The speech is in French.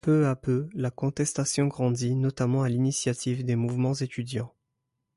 Peu à peu, la contestation grandit, notamment à l'initiative des mouvements étudiants.